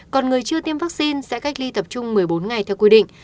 còn người chưa tiêm vaccine sẽ cách ly tập trung một mươi bốn ngày theo quy định